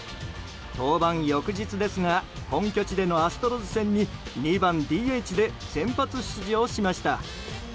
登板翌日ですが本拠地でのアストロズ戦に２番ＤＨで先発出場しました。